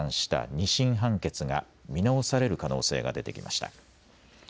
２審判決が見直される可能性が出てきました。